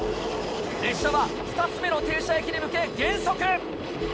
列車は２つ目の停車駅に向け減速。